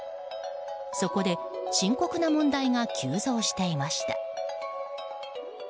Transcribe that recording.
そこで、深刻な問題が急増していました。